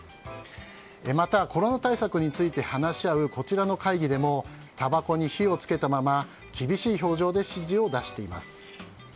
またコロナ対策について話し合うこちらの会議でもたばこに火を付けたまま厳しい表情で指示を出しています。